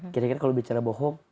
kira kira kalau bicara bohong